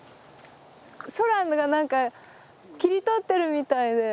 空が何か切り取ってるみたいで。